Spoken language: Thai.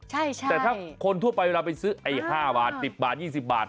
แต่ถ้าคนทั่วไปเวลาไปซื้อไอ้๕บาท๑๐บาท๒๐บาท